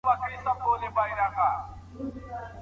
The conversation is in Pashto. که دوی ارزښت درک کړي نو په شوق به لیکل کوي.